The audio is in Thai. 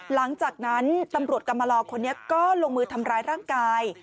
หลังจากนั้นตำรวจกรรมลอคนนี้ก็ลงมือทำร้ายร่างกาย